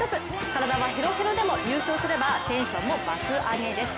体はヘロヘロでも優勝すればテンションも爆上げです。